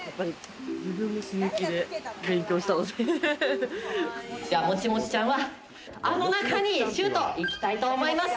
自分も死ぬ気で勉強したのでもちもちちゃんはあの中にシュートいきたいと思います。